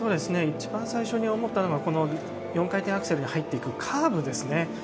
一番最初に思ったのは４回転アクセルに入っていくカーブですね。